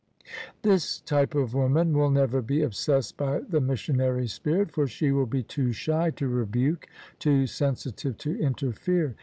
This type of woman will never be obsessed by the missionary spirit: for she will be too shy to rebuke, too sensitive to interfere.